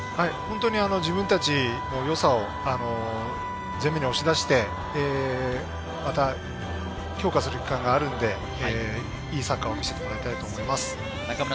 自分達の良さを前面に押し出して、また強化する期間があるので、いいサッカーを見せてもらいたいです。